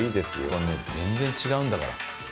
これね全然違うんだから。